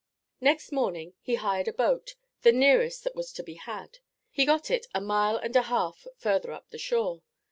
Next morning he hired a boat, the nearest that was to be had; he got it a mile and a half further up the shore.